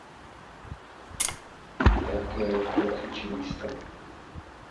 Byla používána pro měření nějaké plochy či místa.